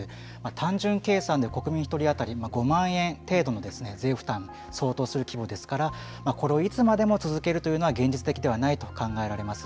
単純計算で国民１人当たり５万円相当の税負担相当する規模ですからこれをいつまでも続けるというのは現実的ではないと考えられます。